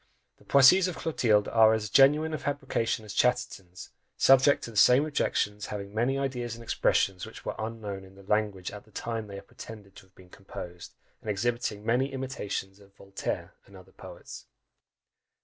The "Poésies" of Clotilde are as genuine a fabrication as Chatterton's; subject to the same objections, having many ideas and expressions which were unknown in the language at the time they are pretended to have been composed, and exhibiting many imitations of Voltaire and other poets.